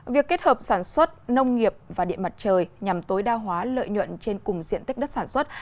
việc kết hợp sản xuất nông nghiệp và điện mặt trời nhằm tối đa hóa lợi nhuận trên cùng diện tích đất sản xuất